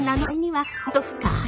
はい。